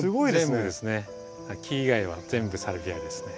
全部ですね木以外は全部サルビアですね。